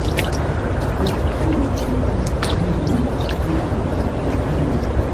La ĉefurbo estis nomumita laŭ dana princino.